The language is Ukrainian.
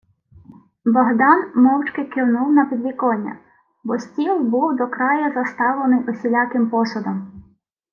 Богдан мовчки кивнув на підвіконня, бо стіл був до краю заставлений усіляким посудом.